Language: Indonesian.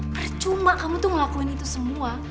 percuma kamu tuh ngelakuin itu semua